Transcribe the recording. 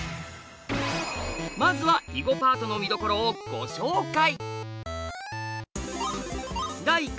まずは囲碁パートのみどころをご紹介！